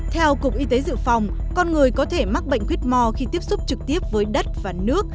theo cục y tế dự phòng con người có thể mắc bệnh quyết mò khi tiếp xúc trực tiếp với đất và nước